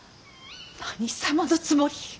何様のつもり。